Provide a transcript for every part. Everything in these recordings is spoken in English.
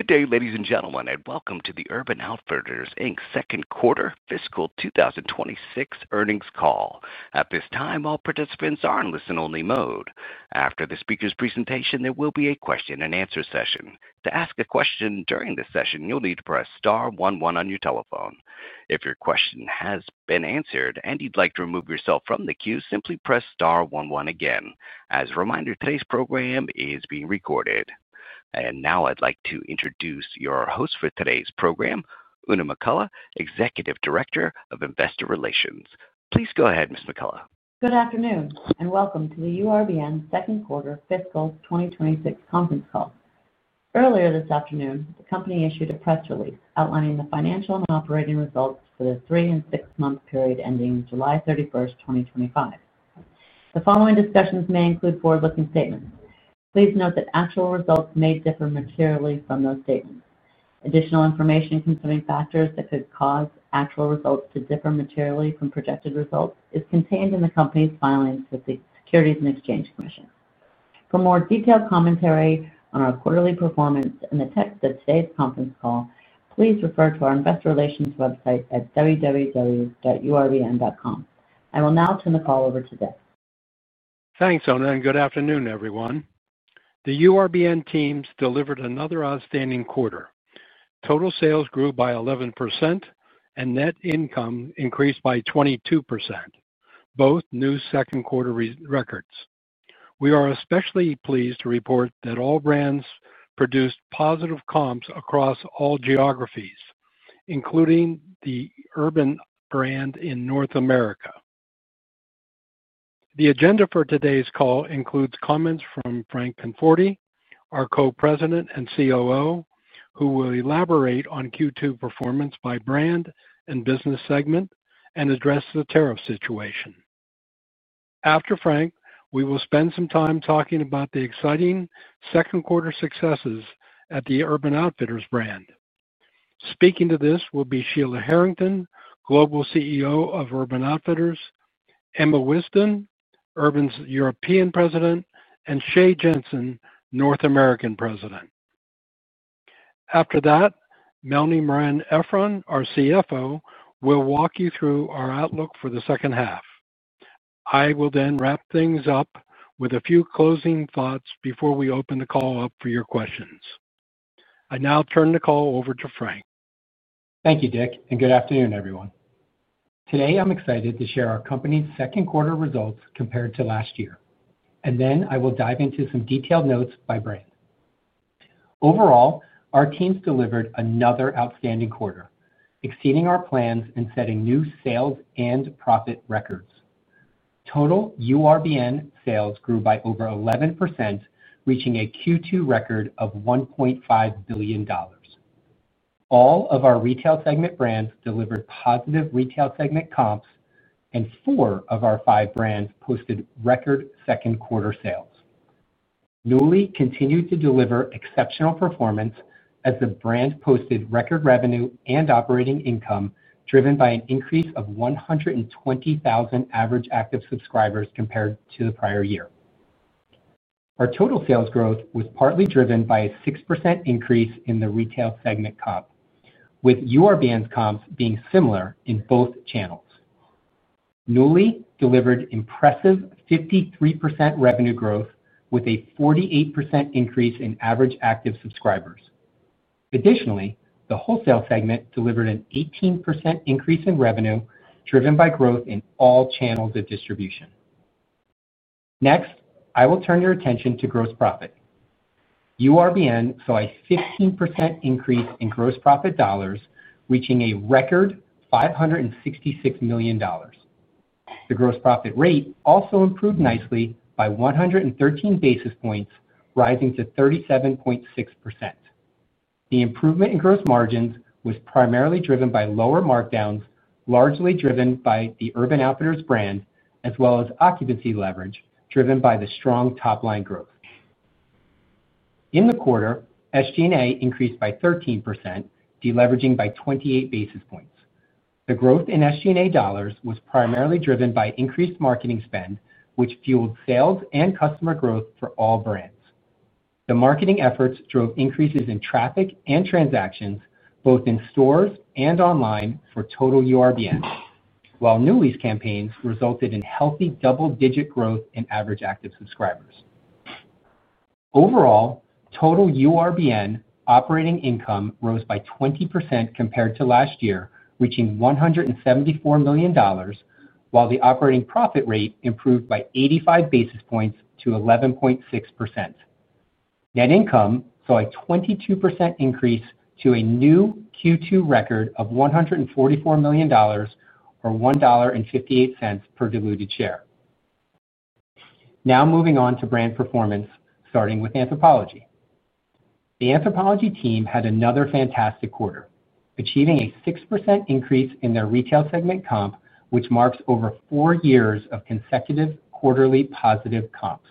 Good day, ladies and gentlemen, and welcome to the Urban Outfitters, Inc. Second Quarter Fiscal 2026 Earnings Call. At this time, all participants are in listen-only mode. After the speaker's presentation, there will be a question-and-answer session. To ask a question during the session, you'll need to press Star, one, one on your telephone. If your question has been answered and you'd like to remove yourself from the queue, simply press Star, one, one again. As a reminder, today's program is being recorded. Now I'd like to introduce your host for today, McCullough, Executive Director of Investor Relations. Please go ahead, Ms. McCullough. Good afternoon and welcome to URBN Second Quarter Fiscal 2026 Conference Call. Earlier this afternoon, the Company issued a press release outlining the financial and operating results for the three and six month period ending July 31st, 2025. The following discussions may include forward looking statements. Please note that actual results may differ materially from those statements. Additional information concerning factors that could cause actual results to differ materially from projected results is contained in the Company's filings with the Securities and Exchange Commission. For more detailed commentary on our quarterly performance and the text of today's conference call, please refer to our Investor Relations website at www.urbn.com. I will now turn the call over to Dick. Thanks Oona and good afternoon everyone. The URBN teams delivered another outstanding quarter. Total sales grew by 11% and net income increased by 22%, both new second quarter records. We are especially pleased to report that all brands produced positive comps across all geographies, including the Urban brand in North America. The agenda for today's call includes comments from Frank Conforti, our Co-President and COO, who will elaborate on Q2 performance by brand and business segment and address the tariff situation. After Frank, we will spend some time talking about the exciting second quarter successes at the Urban Outfitters brand. Speaking to this will be Sheila Harrington, Global CEO of Urban Outfitters, Emma Wisden, Urban Outfitters' European President, and Shea Jensen, North American President. After that, Melanie Marein-Efron, our CFO, will walk you through our outlook for the second half. I will then wrap things up with a few closing thoughts before we open the call up for your questions. I now turn the call over to Frank. Thank you, Dick, and good afternoon, everyone. Today I'm excited to share our company's second quarter results compared to last year, and then I will dive into some detailed notes by Brian. Overall, our teams delivered another outstanding quarter, exceeding our plans and setting new sales and profit records. Total Urban sales grew by over 11%, reaching a Q2 record of $1.5 billion. All of our retail segment brands delivered positive retail segment comps, and four of our five brands posted record second quarter sales. Nuuly continued to deliver exceptional performance as the brand posted record revenue and operating income driven by an increase of 120,000 average active subscribers compared to the prior year. Our total sales growth was partly driven by a 6% increase in the retail segment comp, with Urban's comps being similar in both channels. Nuuly delivered impressive 53% revenue growth with a 48% increase in average active subscribers. Additionally, the wholesale segment delivered an 18% increase in revenue driven by growth in all channels of distribution. Next, I will turn your attention to gross profit. URBN saw a 15% increase in gross profit dollars, reaching a record $566 million. The gross profit rate also improved nicely by 113 basis points, rising to 37.6%. The improvement in gross margins was primarily driven by lower markdowns, largely driven by the Urban Outfitters brand, as well as occupancy leverage driven by the strong top line growth in the quarter. SG&A increased by 13%, deleveraging by 28 basis points. The growth in SG&A dollars was primarily driven by increased marketing spend, which fueled sales and customer growth for all brands. The marketing efforts drove increases in traffic and transactions both in stores and online for total URBN, while Nuuly campaigns resulted in healthy double-digit growth in average active subscribers. Overall, total URBN operating income rose by 20% compared to last year, reaching $174 million, while the operating profit rate improved by 85 basis points to 11.6%. Net income saw a 22% increase to a new Q2 record of $144 million, or $1.58 per diluted share. Now, moving on to brand performance, starting with Anthropologie, the Anthropologie team had another fantastic quarter, achieving a 6% increase in their retail segment comp, which marks over four years of consecutive quarterly positive comps.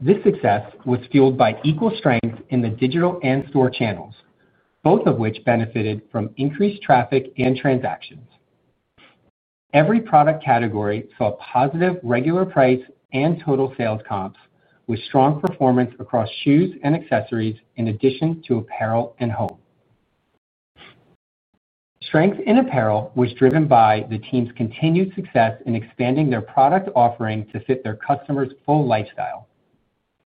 This success was fueled by equal strength in the digital and store channels, both of which benefited from increased traffic and transactions. Every product category saw positive regular price and total sales comps, with strong performance across shoes and accessories in addition to apparel and home. Strength in apparel was driven by the team's continued success in expanding their product offering to fit their customers' full lifestyle.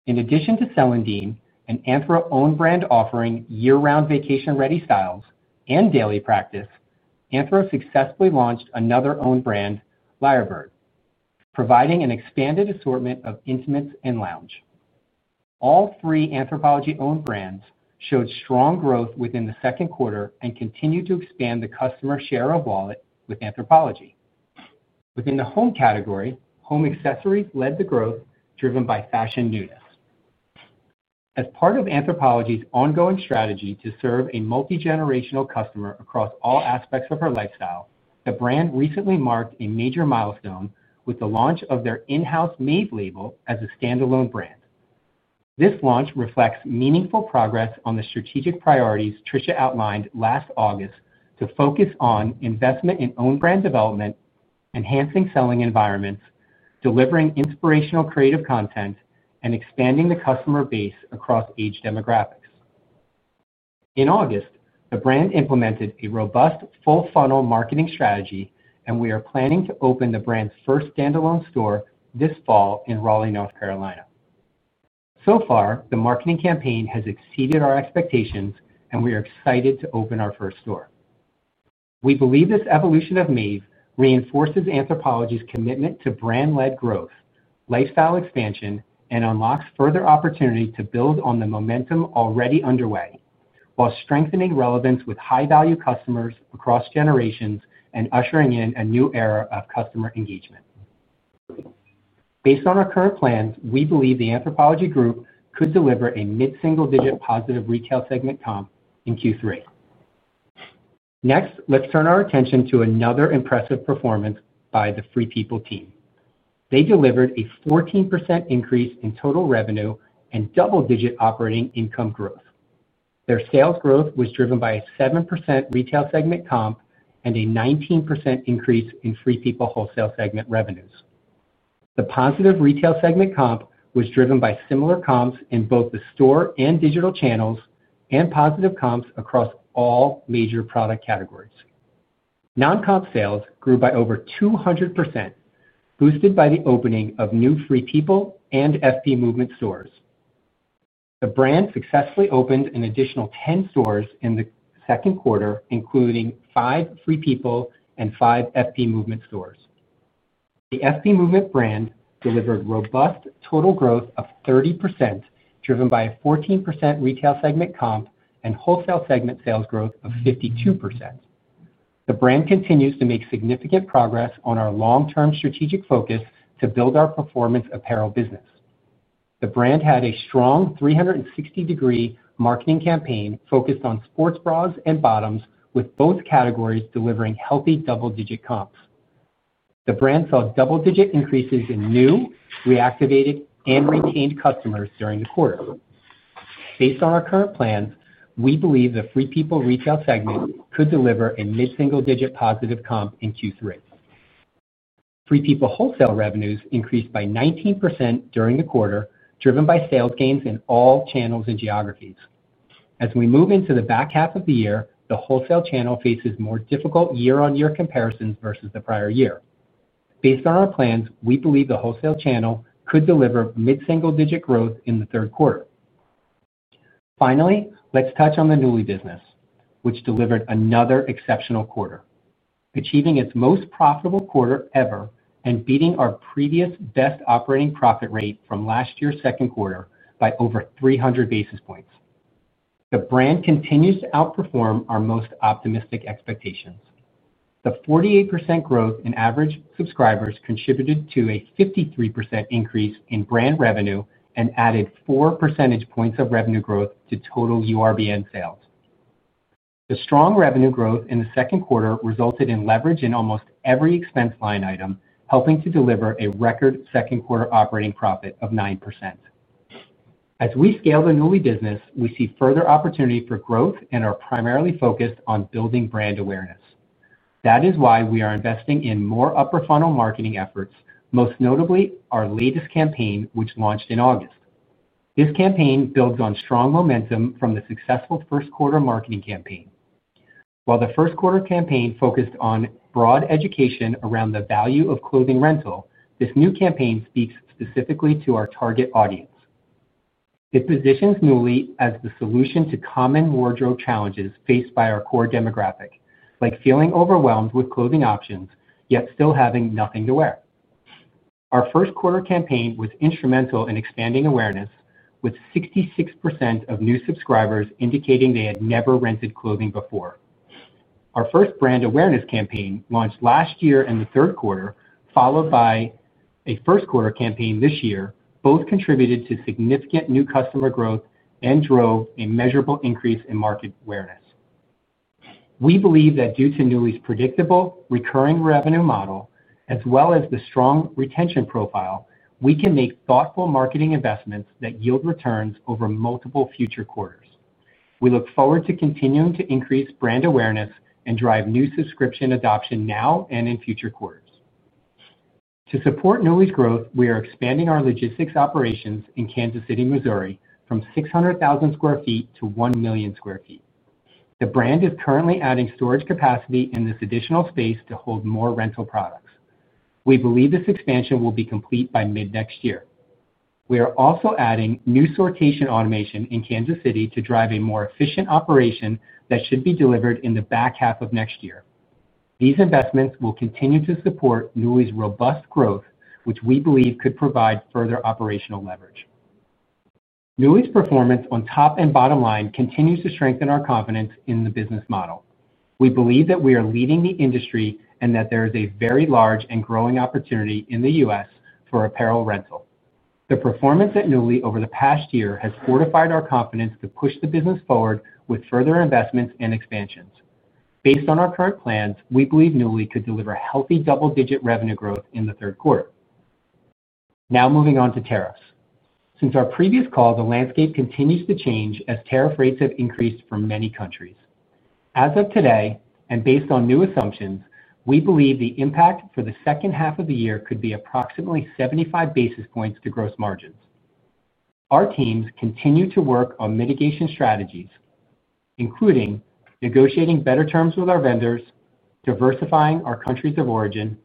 In addition to Celandine, an Anthro own brand offering year-round vacation-ready styles and Daily Practice, Anthro successfully launched another own brand, Lyrebird, providing an expanded assortment of intimates and lounge. All three Anthropologie owned brands showed strong growth within the second quarter and continued to expand the customer share of wallet with Anthropologie. Within the home category, home accessories led the growth, driven by fashion newness. As part of Anthropologie's ongoing strategy to serve a multi-generational customer across all aspects of her lifestyle, the brand recently marked a major milestone with the launch of their in-house Maeve label as a standalone brand. This launch reflects meaningful progress on the strategic priorities Tricia outlined last August to focus on investment in own brand development, enhancing selling environments, delivering inspirational creative content, and expanding the customer base across age demographics. In August, the brand implemented a robust full funnel marketing strategy, and we are planning to open the brand's first standalone store this fall in Raleigh, North Carolina. The marketing campaign has exceeded our expectations, and we are excited to open our first store. We believe this evolution of Maeve reinforces Anthropologie's commitment to brand-led growth, lifestyle expansion, and unlocks further opportunity to build on the momentum already underway while strengthening relevance with high-value customers across generations and ushering in a new era of customer engagement. Based on our current plans, we believe the Anthropologie Group could deliver a mid-single digit positive retail segment comp in Q3. Next, let's turn our attention to another impressive performance by the Free People team. They delivered a 14% increase in total revenue and double-digit operating income growth. Their sales growth was driven by a 7% retail segment comp and a 19% increase in Free People wholesale segment revenues. The positive retail segment comp was driven by similar comps in both the store and digital channels, and positive comps across all major product categories. Non-comp sales grew by over 200%, boosted by the opening of new Free People and FP Movement stores. The brand successfully opened an additional 10 stores in the second quarter, including five Free People and five FP Movement stores. The FP Movement brand delivered robust total growth of 30%, driven by a 14% retail segment comp and wholesale segment sales growth of 52%. The brand continues to make significant progress on our long-term strategic focus to build our performance apparel business. The brand had a strong 360-degree marketing campaign focused on sports bras and bottoms, with both categories delivering healthy double-digit comps. The brand saw double-digit increases in new, reactivated, and retained customers during the quarter. Based on our current plans, we believe the Free People retail segment could deliver a mid-single-digit positive comp in Q3. Wholesale revenues increased by 19% during the quarter, driven by sales gains in all channels and geographies. As we move into the back half of the year, the wholesale channel faces more difficult year-on-year comparisons versus the prior year. Based on our plans, we believe the wholesale channel could deliver mid-single-digit growth in the third quarter. Finally, let's touch on the Nuuly business, which delivered another exceptional quarter, achieving its most profitable quarter ever and beating our previous best operating profit rate from last year's second quarter by over 300 basis points. The brand continues to outperform our most optimistic expectations. The 48% growth in average active subscribers contributed to a 53% increase in brand revenue and added 4 percentage points of revenue growth to total URBN sales. The strong revenue growth in the second quarter resulted in leverage in almost every expense line item, helping to deliver a record second quarter operating profit of 9%. As we scale the Nuuly business, we see further opportunity for growth and are primarily focused on building brand awareness. That is why we are investing in more upper funnel marketing efforts, most notably our latest campaign, which launched in August. This campaign builds on strong momentum from the successful first quarter marketing campaign. While the first quarter campaign focused on broad education around the value of clothing rental, this new campaign speaks specifically to our target audience. It positions Nuuly as the solution to common wardrobe challenges faced by our core demographic like feeling overwhelmed with clothing options yet still having nothing to wear. Our first quarter campaign was instrumental in expanding awareness with 66% of new subscribers indicating they had never rented clothing before. Our first brand awareness campaign launched last year in the third quarter followed by a first quarter campaign this year both contributed to significant new customer growth and drove a measurable increase in market awareness. We believe that due to Nuuly's predictable recurring revenue model as well as the strong retention profile, we can make thoughtful marketing investments that yield returns over multiple future quarters. We look forward to continuing to increase brand awareness and drive new subscription adoption now and in future quarters. To support Nuuly's growth, we are expanding our logistics operations in Kansas City, Missouri from 600,000 sq ft to 1 million sq ft. The brand is currently adding storage capacity in this additional space to hold more rental products. We believe this expansion will be complete by mid next year. We are also adding new sortation automation in Kansas City to drive a more efficient operation that should be delivered in the back half of next year. These investments will continue to support Nuuly's robust growth which we believe could provide further operational leverage. Nuuly's performance on top and bottom line continues to strengthen our confidence in the business model. We believe that we are leading the industry and that there is a very large and growing opportunity in the U.S. for apparel rental. The performance at Nuuly over the past year has fortified our confidence to push the business forward with further investments and expansions. Based on our current plans, we believe Nuuly could deliver healthy double-digit revenue growth in the third quarter. Now, moving on to tariffs. Since our previous call, the landscape continues to change as tariff rates have increased for many countries as of today and based on new assumptions, we believe the impact for the second half of the year could be approximately 75 basis points to gross margins. Our teams continue to work on mitigation strategies, including negotiating better terms with our vendors, diversifying our countries of origin,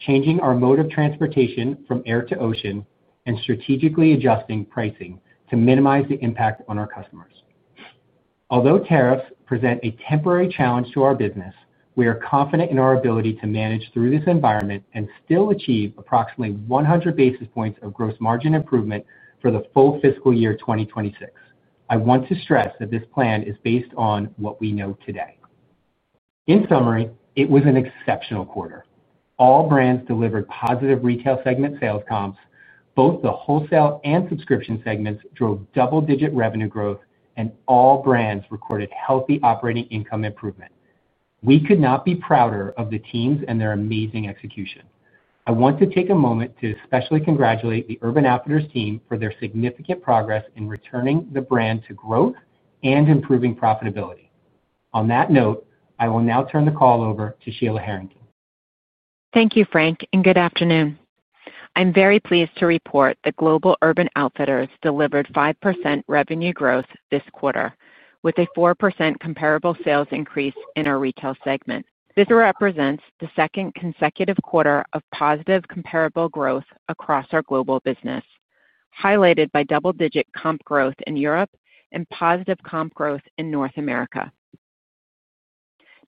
changing our mode of transportation from air to ocean, and strategically adjusting pricing to minimize the impact on our customers. Although tariffs present a temporary challenge to our business, we are confident in our ability to manage through this environment and still achieve approximately 1,100 basis points of gross margin improvement for the full fiscal year 2026. I want to stress that this plan is based on what we know today. In summary, it was an exceptional quarter. All brands delivered positive retail segment sales comps, both the wholesale and subscription segments drove double-digit revenue growth, and all brands recorded healthy operating income improvement. We could not be prouder of the teams and their amazing execution. I want to take a moment to especially congratulate the Urban Outfitters team for their significant progress in returning the brand to growth and improving profitability. On that note, I will now turn the call over to Sheila Harrington. Thank you, Frank, and good afternoon. I'm very pleased to report that Global Urban Outfitters delivered 5% revenue growth this quarter with a 4% comparable sales increase in our retail segment. This represents the second consecutive quarter of positive comparable growth across our global business, highlighted by double-digit comp growth in Europe and positive comp growth in North America.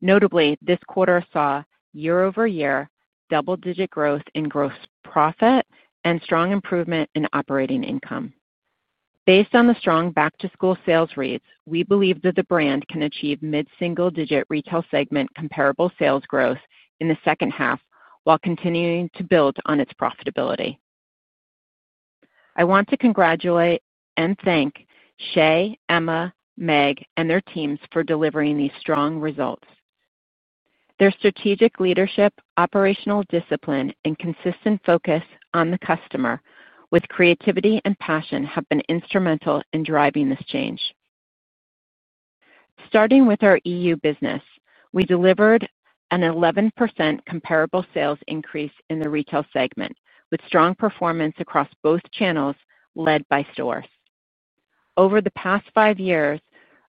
Notably, this quarter saw year-over-year double-digit growth in gross profit and strong improvement in operating income. Based on the strong back-to-school sales reads, we believe that the brand can achieve mid-single-digit retail segment comparable sales growth in the second half while continuing to build on its profitability. I want to congratulate and thank Shea, Emma, Meg, and their teams for delivering these strong results. Their strategic leadership, operational discipline, and consistent focus on the customer with creativity and passion have been instrumental in driving this change. Starting with our E.U. business, we delivered an 11% comparable sales increase in the retail segment with strong performance across both channels. Led by stores, over the past five years,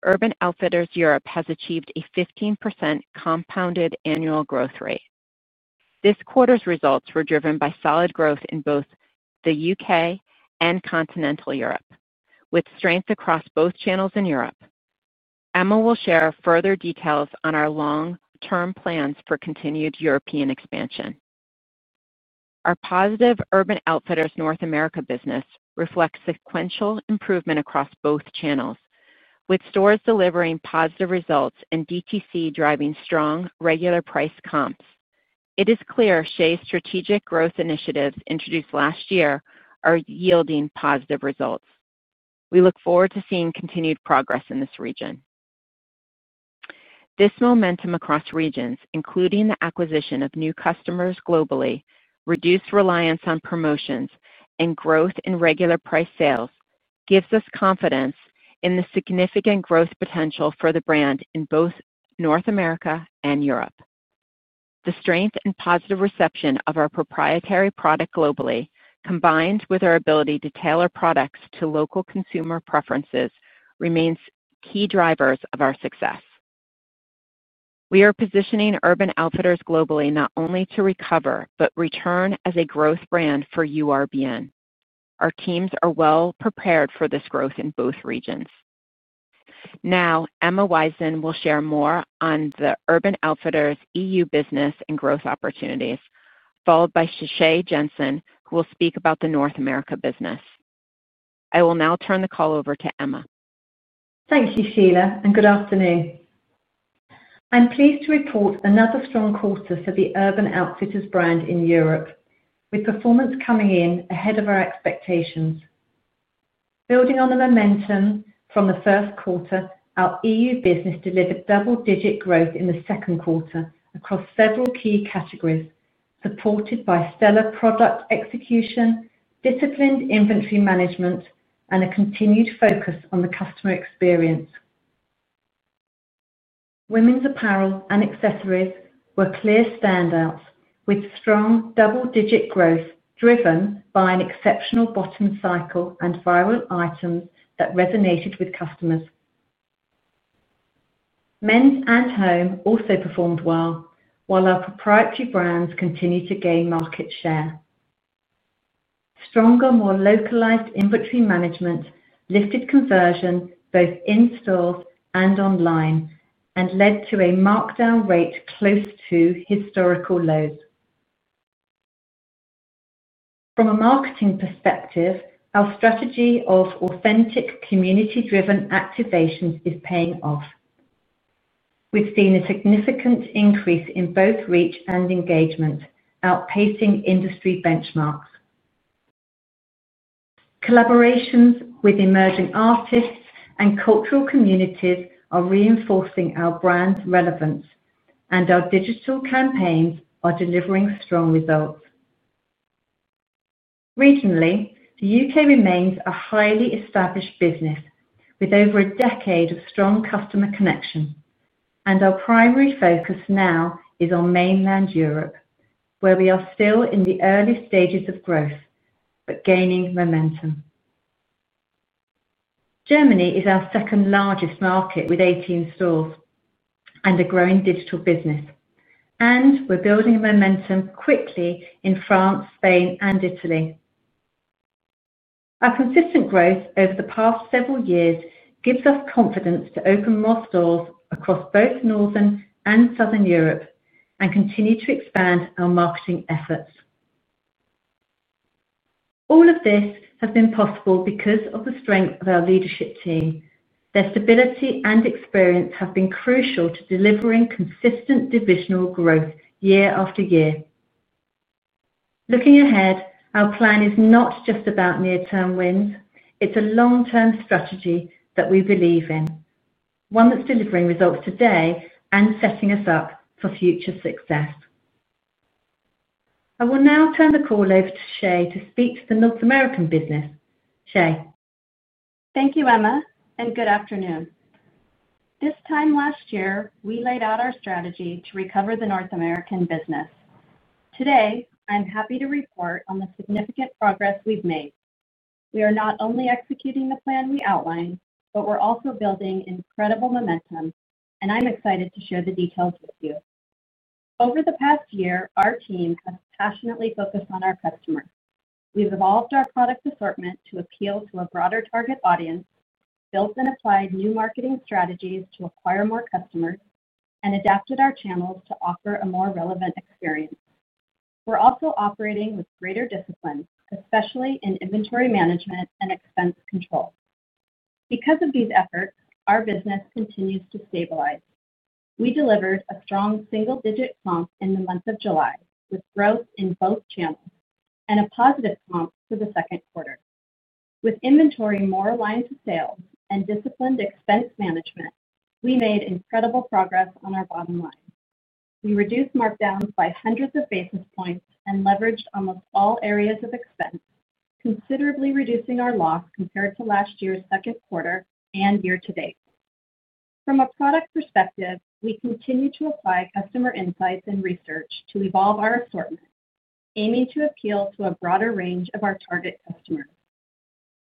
Urban Outfitters Europe has achieved a 15% compounded annual growth rate. This quarter's results were driven by solid growth in both the U.K. and continental Europe, with strength across both channels in Europe. Emma will share further details on our long-term plans for continued European expansion. Our positive Urban Outfitters North America business reflects sequential improvement across both channels, with stores delivering positive results and DTC driving strong regular price comps. It is clear Shea's strategic growth initiatives introduced last year are yielding positive results. We look forward to seeing continued progress in this region. This momentum across regions, including the acquisition of new customers globally, reduced reliance on promotions, and growth in regular price sales, gives us confidence in the significant growth potential for the brand in both North America and Europe. The strength and positive reception of our proprietary product globally, combined with our ability to tailor products to local consumer preferences, remain key drivers of our success. We are positioning Urban Outfitters globally not only to recover but return as a growth brand for URBN. Our teams are well prepared for this growth in both regions. Now Emma Wisden will share more on the Urban Outfitters E..U business and growth opportunities, followed by Shea Jensen, who will speak about the North America business. I will now turn the call over to Emma. Thank you, Sheila, and good afternoon. I'm pleased to report another strong quarter for the Urban Outfitters brand in Europe, with performance coming in ahead of our expectations. Building on the momentum from the first quarter, our Europe business delivered double-digit growth in the second quarter across several key categories, supported by stellar product execution, disciplined inventory management, and a continued focus on the customer experience. Women's apparel and accessories were clear standouts, with strong double-digit growth driven by an exceptional bottom cycle and viral items that resonated with customers. Men's and home also performed well, while our proprietary brands continued to gain market share. Stronger, more localized inventory management lifted conversion both in stores and online and led to a markdown rate close to historical lows. From a marketing perspective, our strategy of authentic, community-driven activations is paying off. We've seen a significant increase in both reach and engagement, outpacing industry benchmarks. Collaborations with emerging artists and cultural communities are reinforcing our brand relevance, and our digital campaigns are delivering strong results. Regionally, the U.K. remains a highly established business with over a decade of strong customer connection, and our primary focus now is on mainland Europe, where we are still in the early stages of growth but gaining momentum. Germany is our second largest market with 18 stores and a growing digital business, and we're building momentum quickly in France, Spain, and Italy. Our consistent growth over the past several years gives us confidence to open more stores across both Northern and Southern Europe and continue to expand our marketing efforts. All of this has been possible because of the strength of our leadership team. Their stability and experience have been crucial to delivering consistent divisional growth year after year. Looking ahead, our plan is not just about near-term wins. It's a long-term strategy that we believe in, one that's delivering results today and setting us up for future success. I will now turn the call over to Shea to speak to the North American business. Shea, thank you. Emma, and good afternoon. This time last year we laid out our strategy to recover the North American business. Today, I'm happy to report on the significant progress we've made. We are not only executing the plan we outlined, but we're also building incredible momentum and I'm excited to share the details with you. Over the past year, our team has passionately focused on our customers. We've evolved our product assortment to appeal to a broader target audience, built and applied new marketing strategies to acquire more customers, and adapted our channels to offer a more relevant experience. We're also operating with greater discipline, especially in inventory management and expense control. Because of these efforts, our business continues to stabilize. We delivered a strong single digit comp in the month of July with growth in both channels and a positive through the second quarter. With inventory more aligned to sales and disciplined expense management, we made incredible progress on our bottom line. We reduced markdowns by hundreds of basis points and leveraged almost all areas of expense, considerably reducing our loss compared to last year's second quarter and year to date. From a product perspective, we continue to apply customer insights and research to evolve our assortment, aiming to appeal to a broader range of our target customers.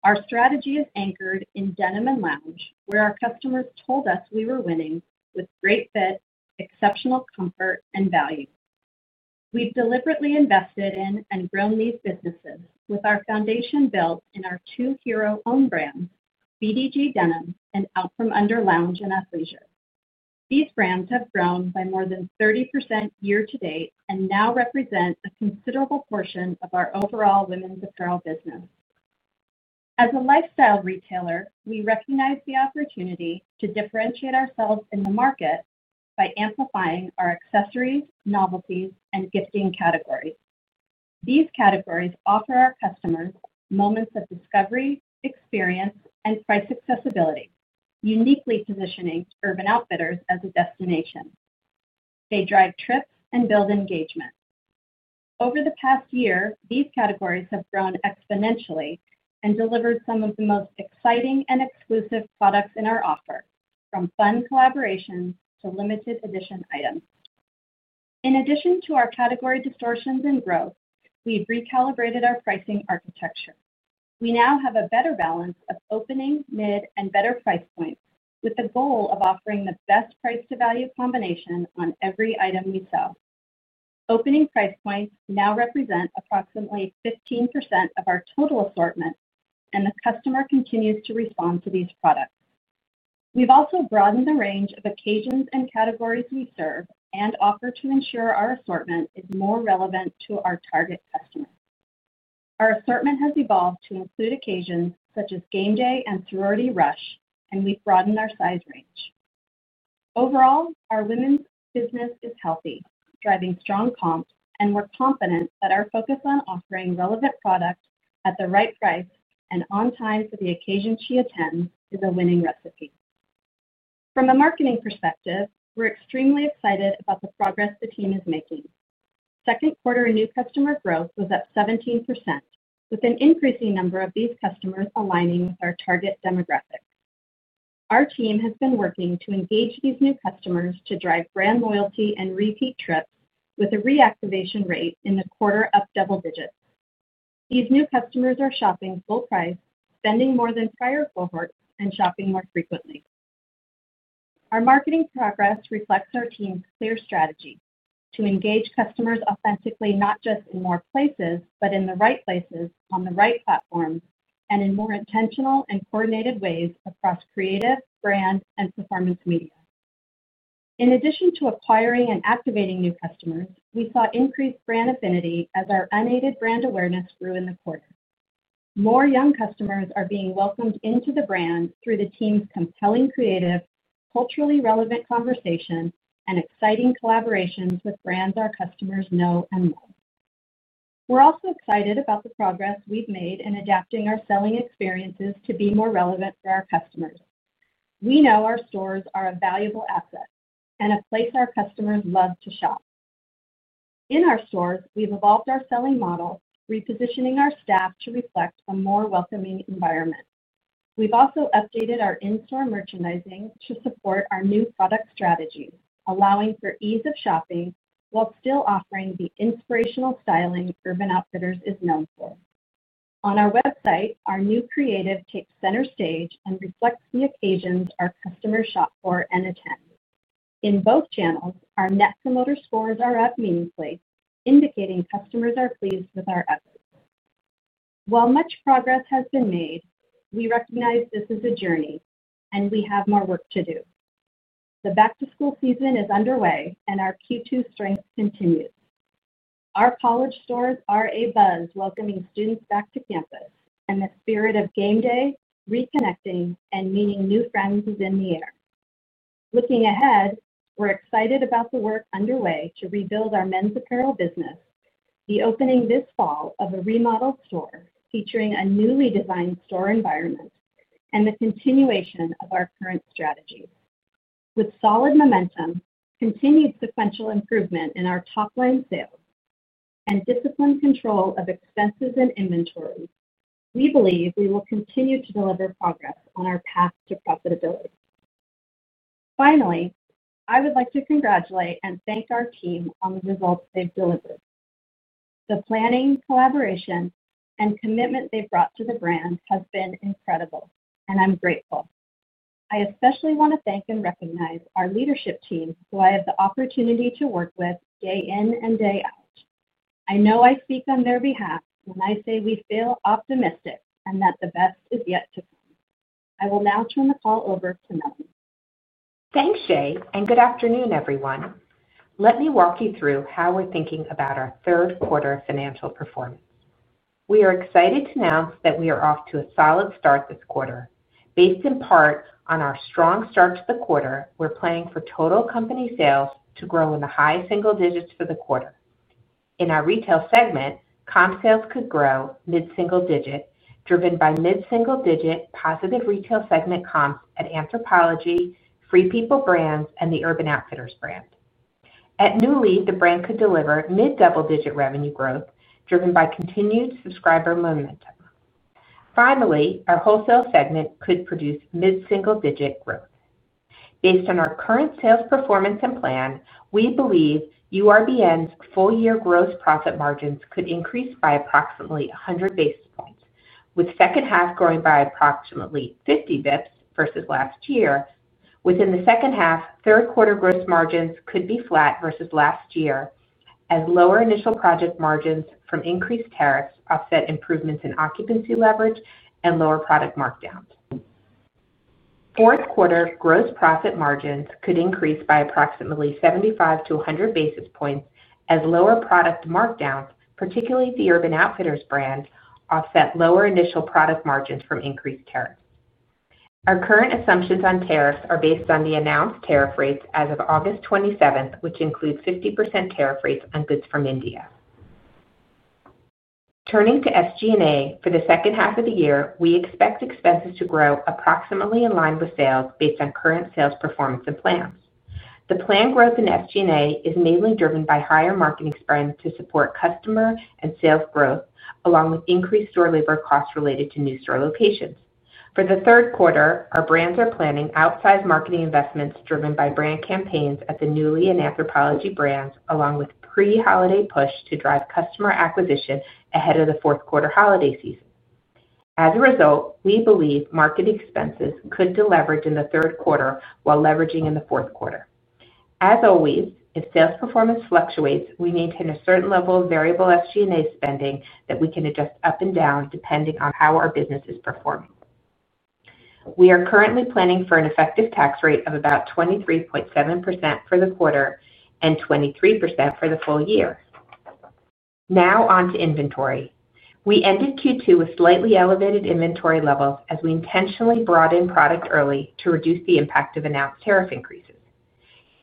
Our strategy is anchored in denim and lounge where our customers told us we were winning with great fit, exceptional comfort and value. We've deliberately invested in and grown these businesses with our foundation built in our two hero own brands, BDG Denim and Out from Under, Lounge and Athleisure. These brands have grown by more than 30% year to date and now represent a considerable portion of our overall women's apparel business. As a lifestyle retailer, we recognize the opportunity to differentiate ourselves in the market by amplifying our accessories, novelty and gifting categories. These categories offer our customers moments of discovery, experience and price accessibility. Uniquely positioning Urban Outfitters as a destination, they drive trips and build engagement. Over the past year, these categories have grown exponentially and delivered some of the most exciting and exclusive products in our offer from fun collaboration to limited edition items. In addition to our category distortions and growth, we've recalibrated our pricing architecture. We now have a better balance of opening, mid and better price points with the goal of offering the best price to value combination on every item we sell. Opening price points now represent approximately 15% of our total assortment and the customer continues to respond to these products. We've also broadened the range of occasions and categories we serve and offer to ensure our assortment is now more relevant to our target customers. Our assortment has evolved to include occasions such as game day and sorority rush and we've broadened our size range. Overall, our women's business is healthy, driving strong comps, and we're confident that our focus on offering relevant products at the right price and on time for the occasion she attends is a winning recipe from a marketing perspective. We're extremely excited about the progress the team is making. Second quarter new customer growth was at 17% with an increasing number of these customers aligning with our target demographic. Our team has been working to engage these new customers to drive brand loyalty and repeat trips. With a reactivation rate in the quarter up double digits, these new customers are shopping full price, spending more than prior cohort, and shopping more frequently. Our marketing progress reflects our team's clear strategy to engage customers authentically not just in more places, but in the right places, on the right platform, and in more intentional and coordinated ways across creative, brand, and performance media. In addition to acquiring and activating new customers, we saw increased brand affinity as our unaided brand awareness grew in the quarter. More young customers are being welcomed into the brand through the team's compelling, creative, culturally relevant conversation and exciting collaborations with brands our customers know and love. We're also excited about the progress we've made in adapting our selling experiences to be more relevant for our customers. We know our stores are a valuable asset and a place our customers love to shop in our stores. We've evolved our selling model, repositioning our staff to reflect a more welcoming environment. We've also updated our in-store merchandising to support our new product strategy, allowing for ease of shopping while still offering the inspirational styling Urban Outfitters is known for on our website. Our new creative takes center stage and reflects the occasions our customers shop for and attend in both channels. Our net promoter scores are up meaningfully, indicating customers are pleased with our efforts. While much progress has been made, we recognize this is a journey and we have more work to do. The back to school season is underway and our Q2 strength continues. Our college stores are abuzz, welcoming students back to campus and the spirit of game day, reconnecting and meeting new friends is in the air. Looking ahead, we're excited about the work underway to rebuild our men's apparel business, the opening this fall of a remodeled store featuring a newly designed store environment, and the continuation of our current strategy. With solid momentum, continued sequential improvement in our top line sales, and disciplined control of expenses and inventory, we believe we will continue to deliver progress on our path to profitability. Finally, I would like to congratulate and thank our team on the results they've delivered. The planning, collaboration, and commitment they've brought to the brand has been incredible, and I'm grateful. I especially want to thank and recognize our leadership team who I have the opportunity to work with day in and day out. I know I speak on their behalf. When I say we feel optimistic that the best is yet to come. I will now turn the call over to Melanie. Thanks Shea, and good afternoon everyone. Let me walk you through how we're thinking about our third quarter financial performance. We are excited to announce that we are off to a solid start this quarter. Based in part on our strong start to the quarter, we're planning for total company sales to grow in the high single digits for the quarter. In our retail segment, comp sales could grow mid single digit, driven by mid single digit positive retail segment comps at Anthropologie, Free People brands, and the Urban Outfitters brand. At Nuuly, the brand could deliver mid double digit revenue growth driven by continued subscriber momentum. Finally, our wholesale segment could produce mid single digit growth. Based on our current sales performance and plan, we believe URBN's full year gross profit margins could increase by approximately 100 basis points, with second half growing by approximately 50 basis points versus last year. Within the second half, third quarter gross margins could be flat versus last year as lower initial product margins from increased tariffs offset improvements in occupancy leverage and lower product markdowns. Fourth quarter gross profit margins could increase by approximately 75-100 basis points as lower product markdowns, particularly at the Urban Outfitters brand, offset lower initial product margins from increased tariffs. Our current assumptions on tariffs are based on the announced tariff rates as of August 27, which includes 50% tariff rates on goods from India. Turning to SG&A for the second half of the year, we expect expenses to grow approximately in line with sales based on current sales performance and plans. The planned growth in SG&A is mainly driven by higher marketing spend to support customer and sales growth, along with increased store labor costs related to new store locations. For the third quarter, our brands are planning outsized marketing investments driven by brand campaigns at the Nuuly and Anthropologie brands, along with a pre-holiday push to drive customer acquisition ahead of the fourth quarter holiday season. As a result, we believe marketing expenses could deleverage in the third quarter while leveraging in the fourth quarter. As always, if sales performance fluctuates, we maintain a certain level of variable SG&A spending that we can adjust up and down depending on how our businesses perform. We are currently planning for an effective tax rate of about 23.7% for the quarter and 23% for the full year. Now onto inventory. We ended Q2 with slightly elevated inventory levels as we intentionally brought in product early to reduce the impact of announced tariff increases.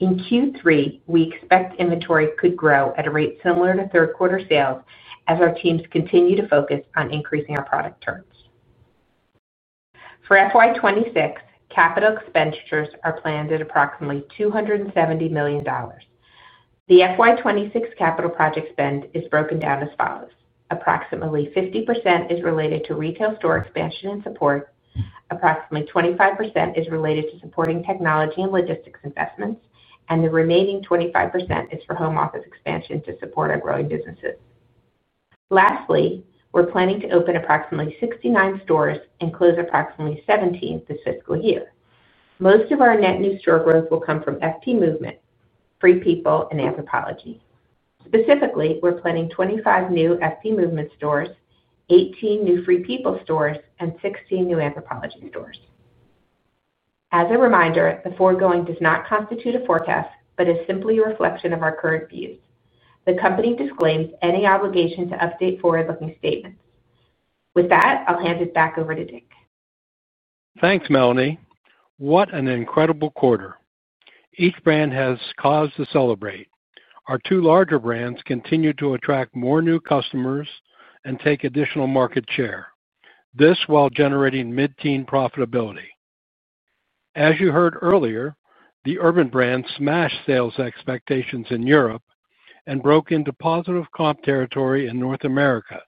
In Q3, we expect inventory could grow at a rate similar to third quarter sales as our teams continue to focus on increasing our product turns. For fiscal year 2026, capital expenditures are planned at approximately $270 million. The fiscal year 2026 capital project spend is broken down as follows. Approximately 50% is related to retail store expansion and support, approximately 25% is related to supporting technology and logistics investments, and the remaining 25% is for home office. Expansion to support our growing businesses. Lastly, we're planning to open approximately 69 stores and close approximately 17 stores this fiscal year. Most of our net new store growth will come from FP Movement, Free People, and Anthropologie. Specifically, we're planning 25 new FP Movement stores, 18 new Free People stores, and 16 new Anthropologie stores. As a reminder, the foregoing does not constitute a forecast but is simply a reflection of our current view. The company disclaims any obligation to update forward-looking statements. With that, I'll hand it back over to Dick. Thanks, Melanie. What an incredible quarter. Each brand has cause to celebrate. Our two larger brands continue to attract more new customers and take additional market share, this while generating mid-teen profitability. As you heard earlier, the Urban brand smashed sales expectations in Europe and broke into positive comp territory in North America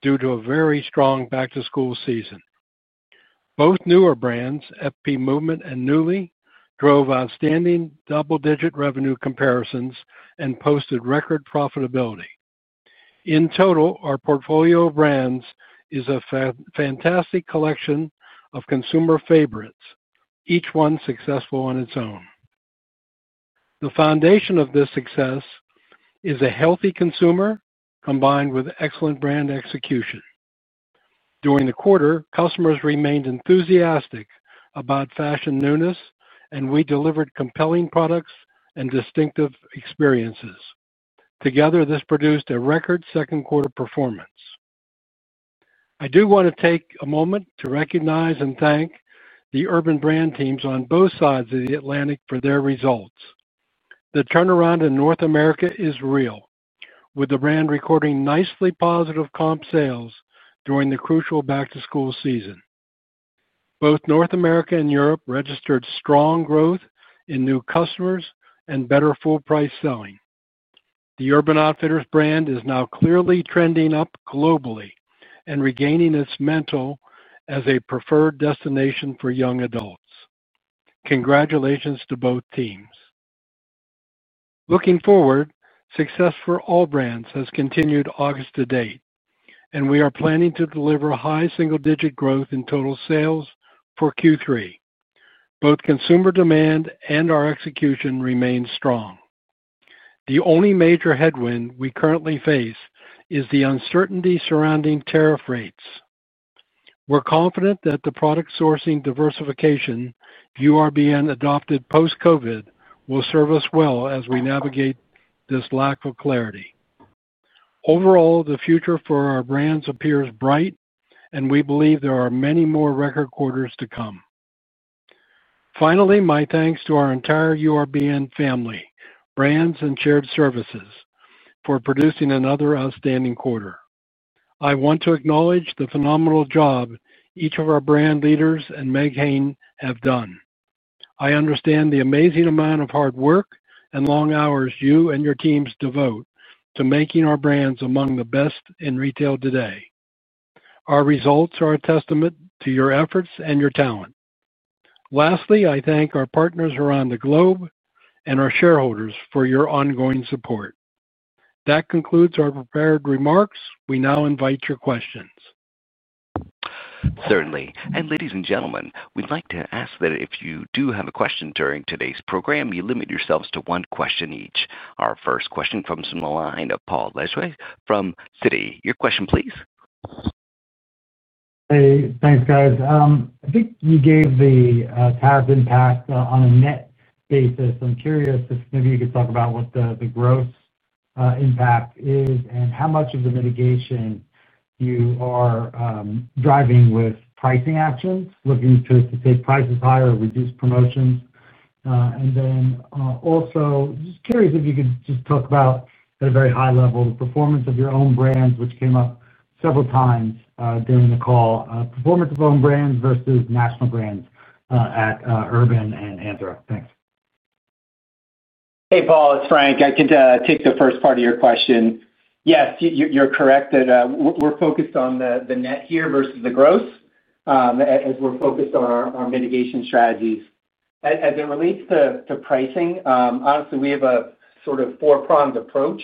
due to a very strong back-to-school season. Both newer brands, FP Movement and Nuuly, drove outstanding double-digit revenue comparisons and posted record profitability in total. Our portfolio of brands is a fantastic collection of consumer favorites, each one successful on its own. The foundation of this success is a healthy consumer combined with excellent brand execution. During the quarter, customers remained enthusiastic about fashion newness, and we delivered compelling products and distinctive experiences. Together, this produced a record second quarter performance. I do want to take a moment to recognize and thank the Urban brand teams on both sides of the Atlantic for their results. The turnaround in North America is real, with the brand recording nicely positive comp sales during the crucial back-to-school season. Both North America and Europe registered strong growth in new customers and better full-price selling. The Urban Outfitters brand is now clearly trending up globally and regaining its mantle as a preferred destination for young adults. Congratulations to both teams. Looking forward, success for all brands has continued August to date, and we are planning to deliver high single-digit growth in total sales for Q3. Both consumer demand and our execution remain strong. The only major headwind we currently face is the uncertainty surrounding tariff rates. We're confident that the product sourcing diversification URBN adopted post-COVID will serve us well as we navigate this lack of clarity. Overall, the future for our brands appears bright, and we believe there are many more record quarters to come. Finally, my thanks to our entire URBN family, brands, and shared services for producing another outstanding quarter. I want to acknowledge the phenomenal job each of our brand leaders and Meg Hayne have done. I understand the amazing amount of hard work and long hours you and your teams devote to making our brands among the best in retail today. Our results are a testament to your efforts and your talent. Lastly, I thank our partners around the globe and our shareholders for your ongoing support. That concludes our prepared remarks. We now invite your questions. Certainly. Ladies and gentlemen, we'd like to ask that if you do have a question during today's program, you limit yourselves to one question each. Our first question comes from the line of Paul Lejuez from Citi. Your question please. Thanks, guys. I think you gave the Tasman pass on a net. I'm curious if maybe you could talk about what the growth impact is and how much of the mitigation you are driving with pricing action, looking to take prices higher, reduce promotions. Also, just curious if you could talk about at a very high level the performance of your own brand, which came up several times during the call. Performance of own brands versus national brands at Urban and Anthropologie. Thanks. Hey Paul, it's Frank. I can take the first part of your question. Yes, you're correct that we're focused on the net here versus the gross as we're focused on our mitigation strategies as it relates to pricing. Honestly, we have a sort of four-pronged approach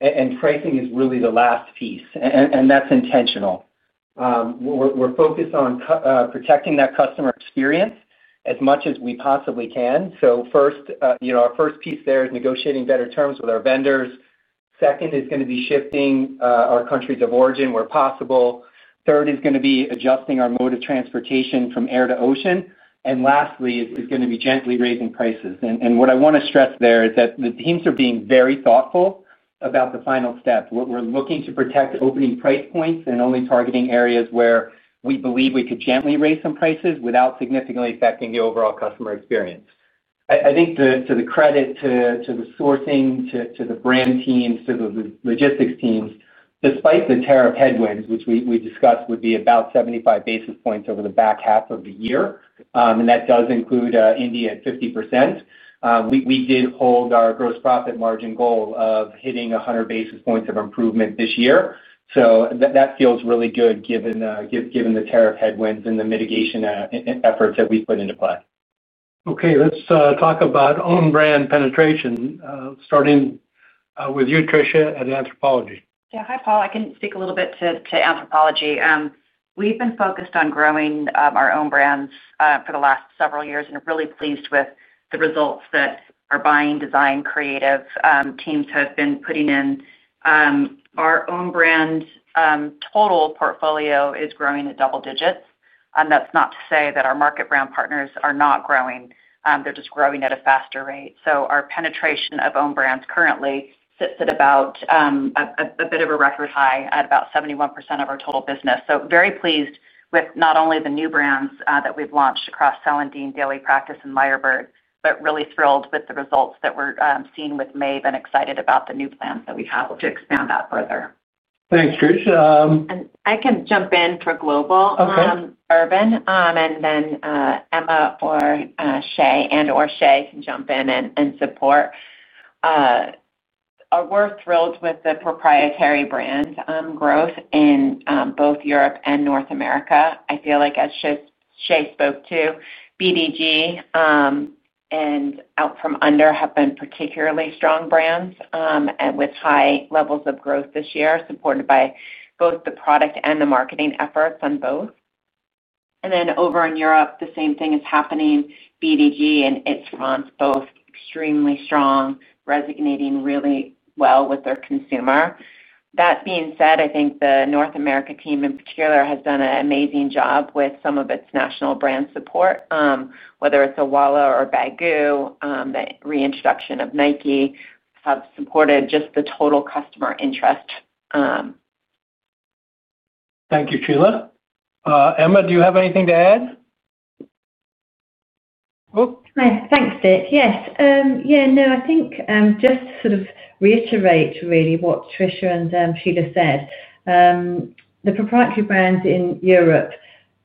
and pricing is really the last piece and that's intentional. We're focused on protecting that customer experience as much as we possibly can. First, our first piece there is negotiating better terms with our vendors. Second is going to be shifting our countries of origin where possible. Third is going to be adjusting our mode of transportation from air to ocean. Lastly, it's going to be gently raising prices. What I want to stress there is that the teams are being very thoughtful about the final step. We're looking to protect opening price points and only targeting areas where we believe we could gently raise some prices without significantly affecting the overall customer experience. I think to the credit, to the sourcing, to the brand teams, to the logistics teams, despite the tariff headwinds which we discussed would be about 75 basis points over the back half of the year, and that does include India at 50%. We did hold our gross profit margin goal of hitting 100 basis points of improvement this year. That feels really good given the tariff headwinds and the mitigation efforts that we've put into play. Okay, let's talk about own brand penetration, starting with you, Tricia, at Anthropologie. Yeah, hi, Paul. I can speak a little bit to Anthropologie. We've been focused on growing our own brands for the last several years and really pleased with the results that our buying, design, creative teams have been putting in. Our own brand total portfolio is growing at double digits, and that's not to say that our market brand partners are not growing, they're just growing at a faster rate. Our penetration of own brands currently sits at a bit of a record high at about 71% of our total business. Very pleased with not only the new brands that we've launched across Celandine, Daily Practice, and Meyerbird, but really thrilled with the results that we're seeing with Maeve and excited about the new plans that we have to expand that further. Thanks. Tricia. I can jump in for Global Urban, and then Emma or Shea can jump in and support. We're thrilled with the proprietary brand growth in both Europe and North America. I feel like, as Shea spoke to, BDG and Out From Under have been particularly strong brands with high levels of growth this year, supported by both the product and the marketing efforts on both. Over in Europe, the same thing is happening. BDG and Its front, both extremely strong, resonating really well with their consumer. That being said, I think the North America team in particular has done an amazing job with some of its national brand support. Whether it's a Owala or Baggu, the reintroduction of Nike have supported just the total customer interest. Thank you, Sheila. Emma, do you have anything to add? Thanks, Dick. Yes, I think just to sort of reiterate really what Tricia and Shea said, the proprietary brands in Europe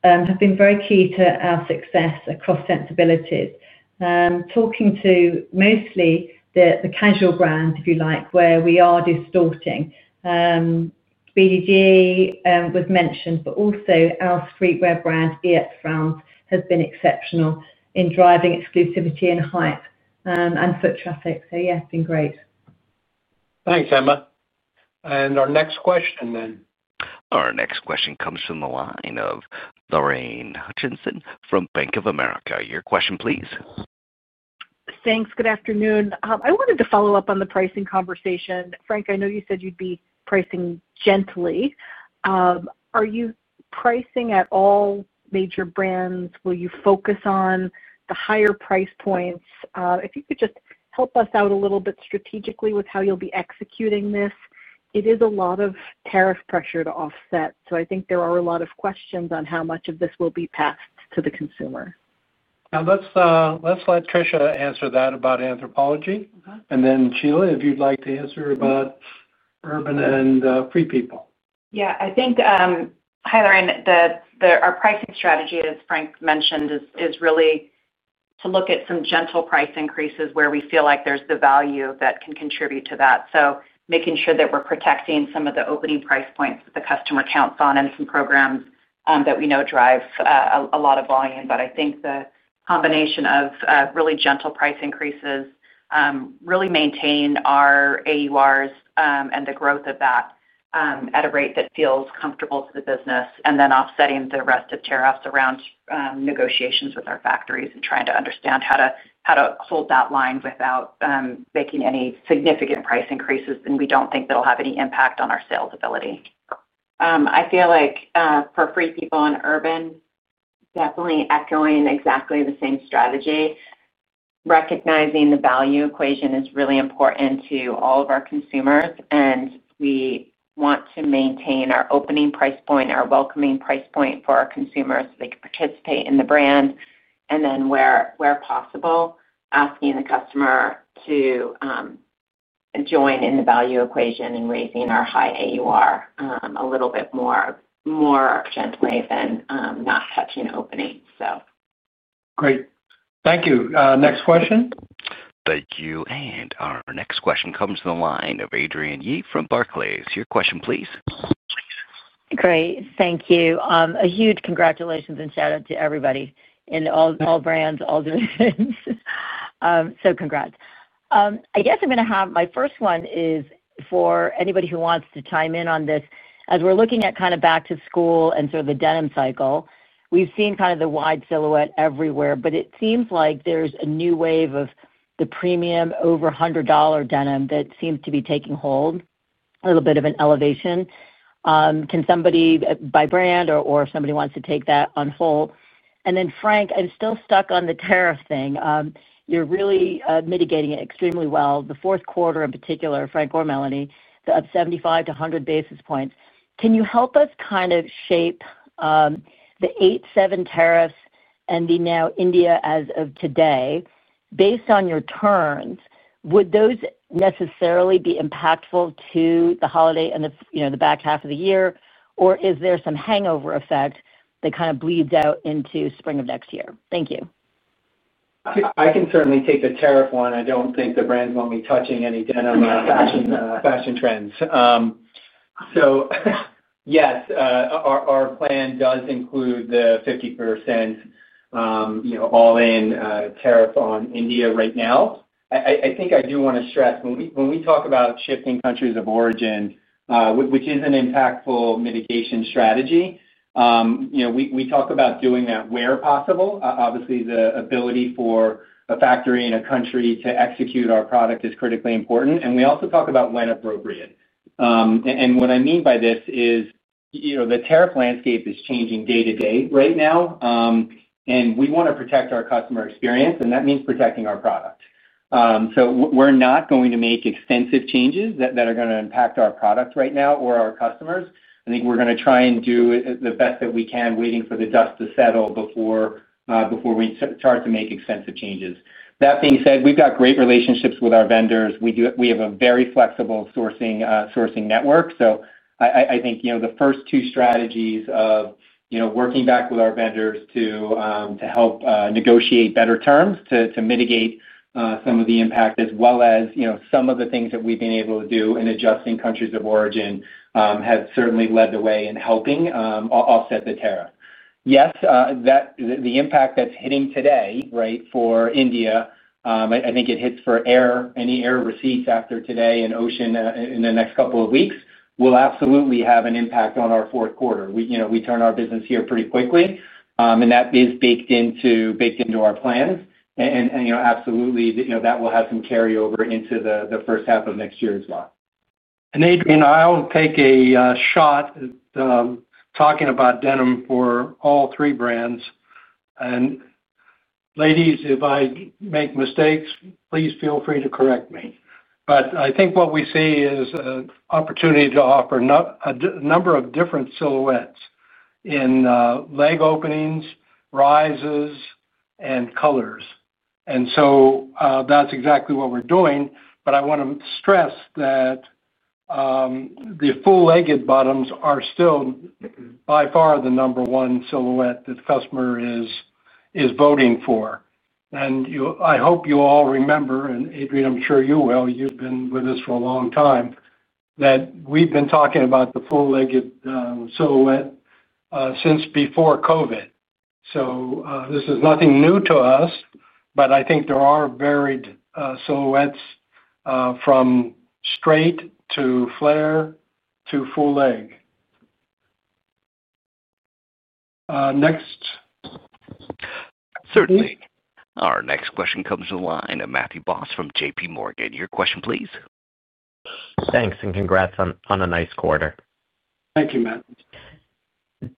have been very key to our success across sensibilities. Talking to mostly the casual brand, if you like, where we are distorting. BDG was mentioned, but also our streetwear brand iets frans, has been exceptional in driving exclusivity and hype and foot traffic. Yes, been great. Thanks, Emma. Our next question then. Our next question comes from the line of Lorraine Hutchinson from Bank of America. Your question, please. Thanks. Good afternoon. I wanted to follow up on the pricing conversation. Frank, I know you said you'd be pricing gently. Are you pricing at all major brands? Will you focus on the higher price points? If you could just help us out a little bit strategically with how you'll be executing this. It is a lot of tariff pressure to offset. I think there are a lot of questions on how much of this will be passed to the consumer. Now let's let Tricia answer that about Anthropologie, and then Sheila, if you'd like to answer about Urban and Free People. Yeah, I think, Lorraine our pricing strategy, as Frank mentioned, is really to look at some gentle price increases where we feel like there's the value that can contribute to that. Making sure that we're protecting some of the opening price points that the customer counts on and some programs that we know drive a lot of volume. I think the combination of really gentle price increases really maintains our AURs and the growth of that at a rate that feels comfortable to the business, then offsetting the rest of tariffs around negotiations with our factories and trying to understand how to hold that line without making any significant price increases. We don't think that'll have any impact on our sales ability. I feel like for Free People and Urban, definitely echoing exactly the same strategy, recognizing the value equation is really important to all of our consumers. We want to maintain our opening price point, our welcoming price point for our consumers so they can participate in the brand, and then where possible, asking the customer to join in the value equation and raising our high AUR a little bit more gently than not touching openings. Great, thank you. Next question. Our next question comes to the line of Adrienne Yih from Barclays. Your question, please. Great, thank you. A huge congratulations and shout out to everybody in all brands, all divisions. Congrats. I guess my first one is for anybody who wants to chime in on this. As we're looking at kind of back to school and sort of the denim cycle, we've seen kind of the wide silhouette everywhere, but it seems like there's a new wave of the premium over $100 denim that seems to be taking hold, a little bit of an elevation. Can somebody, by brand, or if somebody wants to take that on, hold. Frank, I'm still stuck on the tariff thing. You're really mitigating it extremely well, the fourth quarter in particular. Frank or Melanie, up 71-100 basis points. Can you help us kind of shape the eight, seven tariffs and now India as of today based on your turns, would those necessarily be impactful to the holiday and, you know, the back half of the year, or is there some hangover effect that kind of bleeds out into spring of next year? Thank you. I can certainly take the tariff one. I don't think the brands want me touching any denim fashion trends. Yes, our plan does include the 50% all-in tariff on India right now. I do want to stress when we talk about shifting countries of origin, which is an impactful mitigation strategy, we talk about doing that where possible. Obviously, the ability for a factory in a country to execute our product is critically important. We also talk about when appropriate. What I mean by this is the tariff landscape is changing day to day right now and we want to protect our customer experience and that means protecting our product. We're not going to make extensive changes that are going to impact our products right now or our customers. I think we're going to try and do the best that we can waiting for the dust to settle before we start to make extensive changes. That being said, we've got great relationships with our vendors. We have a very flexible sourcing network. I think the first two strategies of working back with our vendors to help negotiate better terms to mitigate some of the impact, as well as some of the things that we've been able to do in adjusting countries of origin, have certainly led the way in helping offset the tariff. Yes, the impact that's hitting today for India, I think it hits for air, any air receipts after today, and ocean in the next couple of weeks will absolutely have an impact on our fourth quarter. We turn our business here pretty quickly and that is baked into our plans and absolutely that will have some carryover into the first half of next year as well. And Adrienne, I'll take a shot talking about denim for all three brands. Ladies, if I make mistakes, please feel free to correct me.I think what we see is an opportunity to offer a number of different silhouettes in leg openings, rises, and colors. That's exactly what we're doing. I want to stress that the full legged bottoms are still by far the number one silhouette that the customer is voting for. I hope you all remember, and Adrienne, I'm sure you will, you've been with us for a long time, that we've been talking about the full legged silhouette since before COVID. This is nothing new to us. I think there are varied silhouettes from straight to flare to full leg. Certainly, our next question comes in line. Matthew Boss from JPMorgan, your question please. Thanks and congrats on a nice quarter. Thank you, Matt.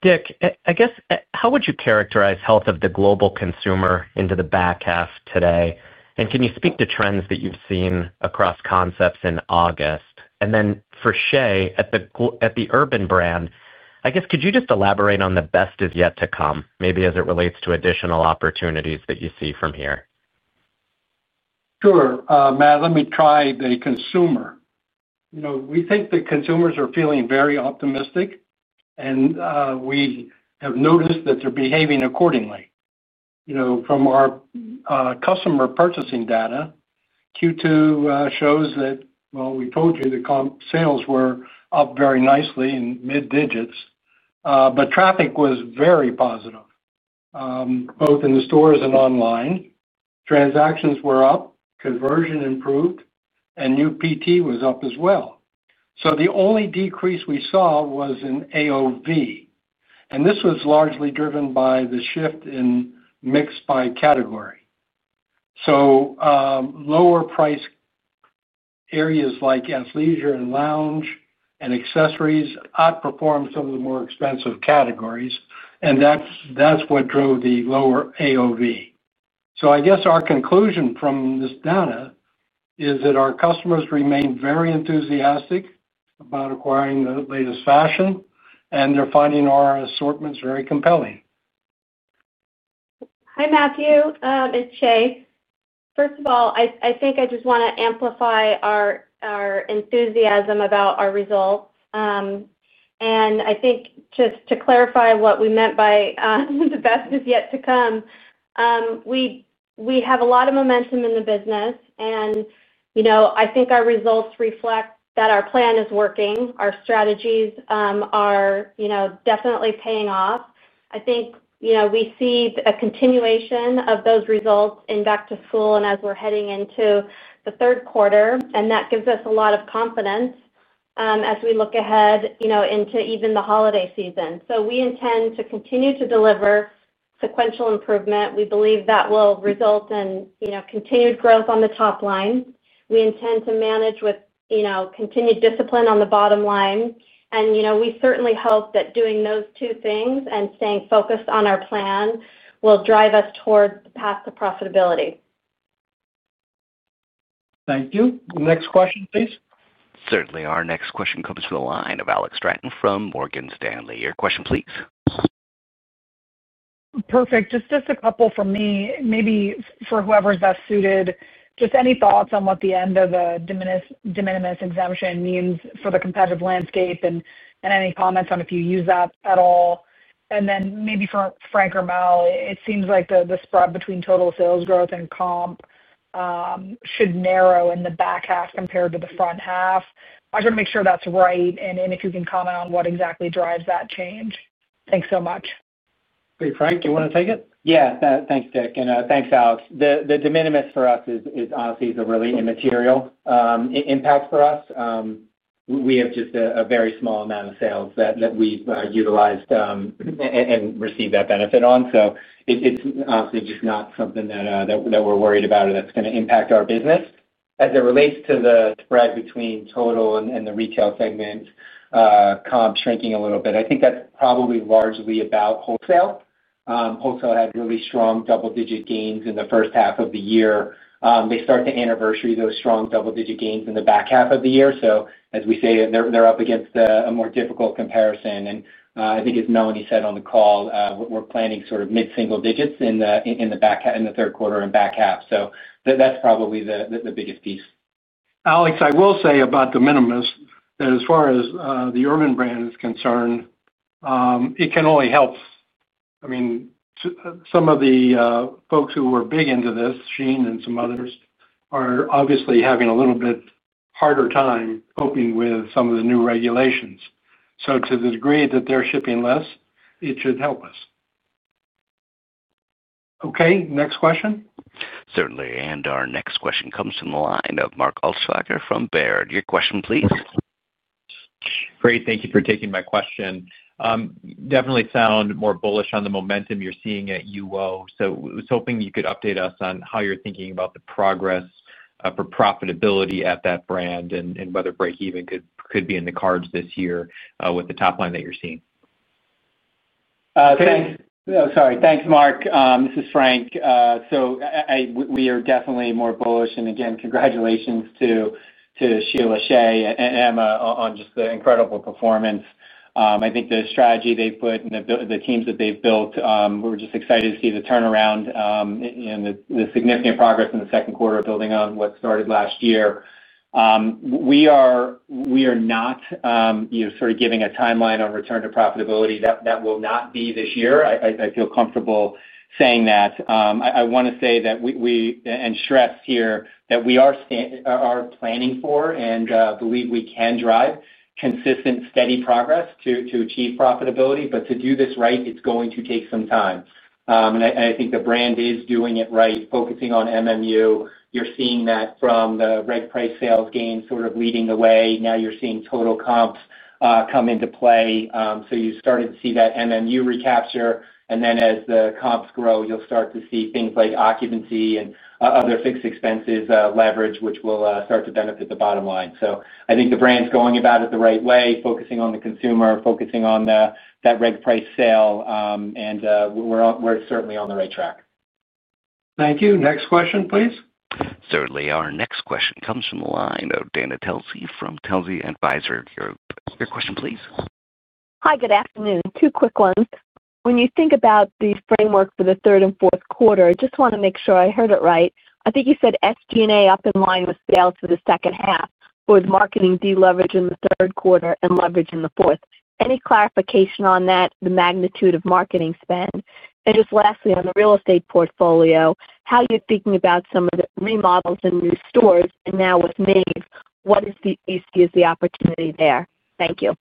Dick, I guess how would you characterize health of the global consumer into the back half today? Can you speak to trends that you've seen across concepts in August, and then for Shea at the Urban brand, I guess could you just elaborate on the best is yet to come maybe As it relates to additional opportunities, that You see from here? Sure, Matt. Let me try the consumer. We think that consumers are feeling very optimistic and we have noticed that they're behaving accordingly. You know, from our customer purchasing data, Q2 shows that the sales were up very nicely in mid digits, but traffic was very positive both in the stores and online. Transactions were up, conversion improved, and new PT was up as well. The only decrease we saw was in AOV. This was largely driven by the shift in mix by category. Lower price areas like athleisure and lounge and accessories outperformed some of the more expensive categories, and that's what drove the lower AOV. I guess our conclusion from this data is that our customers remain very enthusiastic about acquiring the latest fashion, and they're finding our assortments very compelling. Hi Matthew, it's Shea. First of all, I think I just want to amplify our enthusiasm about our results. I think just to clarify what we meant by the best is yet to come. We have a lot of momentum in the business, and I think our results reflect that our plan is working. Our strategies are definitely paying off. I think we see a continuation of those results in back to school as we're heading into the third quarter. That gives us a lot of confidence as we look ahead into even the holiday season. We intend to continue to deliver sequential improvement. We believe that will result in continued growth on the top line. We intend to manage with continued discipline on the bottom line. We certainly hope that doing those two things and staying focused on our plan will drive us toward the path to profitability. Thank you. Next question, please. Certainly, our next question comes to the line of Alex Straton from Morgan Stanley. Your question, please. Perfect. Just a couple for me, maybe for Whoever is best suited. Just any thoughts on what the end What the de minimis exemption means for the competitive landscape and any comments on if you use that at all. Maybe for Frank or Mel, It seems like the spread between total sales growth and comp should narrow in the back half compared to the front half. I should make sure that's right. If you can comment on what exactly drives that change. Thanks so much. Great. Frank, you want to take it? Yeah. Thanks, Dick. And thanks, Alex. The de minimis for honesty is really immaterial. We have just a very small amount of sales that we utilized and received that benefit on. It's obviously just not something that we're worried about that's going to impact our business. As it relates to the spread between total and the retail segment comp shrinking a little bit, I think that's probably largely about wholesale. Wholesale had really strong double-digit gains in the first half of the year. They start to anniversary those strong double-digit gains in the back half of the year, so as we say, they're up against a more difficult comparison. I think, as Melanie said on the call, we're planning sort of mid-single digits in the back in the third quarter and back half. That's probably the biggest piece. Alex, I will say about the minimus that as far as the Urban brand is concerned, it can only help. I mean some of the folks who were big into this Shein and some others are obviously having a little bit harder time coping with some of the new regulations. To the degree that they're shipping less, it should help us. Okay, next question. Certainly. And our next question comes from the line of Mark Altschwager from Baird. Your question please. Great, thank you for taking my question. You definitely sound more bullish on the momentum you're seeing at UO. I was hoping you could update us on how you're thinking about the progress for profitability at that brand and whether break even could be in the cards this year with the top line that you're seeing. Sorry. Thanks Mark. This is Frank. We are definitely more bullish, and again, congratulations to Sheila, Shea, and Emma on just the incredible performance. I think the strategy they put and the teams that they've built. We're just excited to see the turnaround and the significant progress in the second quarter, building on what started last year. We are not giving a timeline on return to profitability. That will not be this year. I feel comfortable saying that. I want to say that we, and stress here that we are planning for and believe we can drive consistent, steady progress to achieve profitability. To do this right, it's going to take some time, and I think the brand is doing it right. Focusing on MMU, you're seeing that from the reg price sales gains sort of leading the way. Now you're seeing total comps come into play. You started to see that MMU recapture, and then as the comps grow, you'll start to see things like occupancy and other fixed expenses leverage, which will start to benefit the bottom line. I think the brand's going about it the right way, focusing on the consumer, focusing on that reg price sale, and we're certainly on the right track. Thank you. Next question, please. Certainly. Our next question comes from the line of Dana Telsey from Telsey Advisory Group. Your question please. Hi, good afternoon. Two quick ones. When you think about the framework for The third and fourth quarter, I just Want to make sure I heard it right. I think you said SG&A up in line with sales for the second half. With marketing deleverage in the third quarter and leverage in the fourth, any clarification on that, the magnitude of marketing spend and just lastly on the real estate portfolio, how you're thinking about some of the remodels and new stores. Now with Maeve, what you see is the opportunity there? Thank you.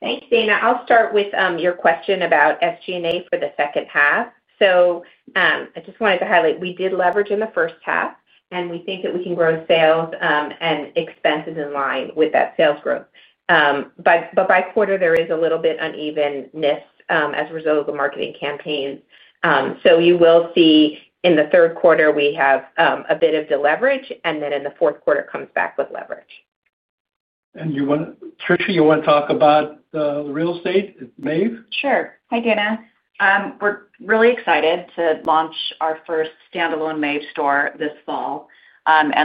Thanks, Dana. I'll start with your question about SG&A for the second half. I just wanted to highlight, we did leverage in the first half and we think that we can grow sales and expenses in line with that sales growth. By quarter there is a little bit of unevenness as a result of the marketing campaign. You will see in the third quarter we have a bit of deleverage, and then in the fourth quarter it comes back with leverage. You want Tricia. You want to talk about the real estate, Maeve? Sure. Hi Dana. We're really excited to launch our first standalone Maeve store this fall,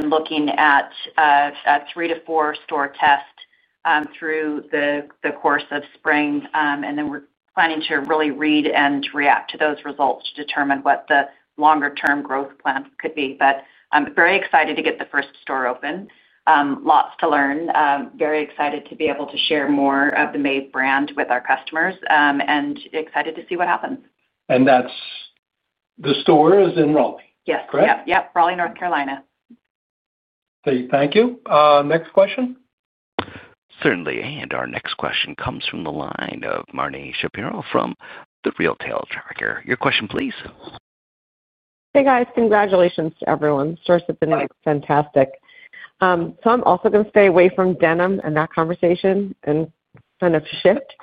looking at a three to four store test through the course of spring. We're planning to really read and react to those results to determine what the longer term growth plan could be. I'm very excited to get the first store open, lots to learn, very excited to be able to share more of the Maeve brand with our customers, and excited to see what happens. The store is in Raleigh, yes? Correct. Yep. Raleigh, North Carolina. Thank you. Next question. Certainly. Our next question comes from the line of Marni Shapiro from The Retail Tracker. Your question please. Hey guys, congratulations to everyone. Source has been fantastic. I am also going to stay away from Denham and that conversation and kind of shift.